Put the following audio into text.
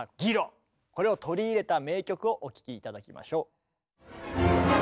これを取り入れた名曲をお聴き頂きましょう。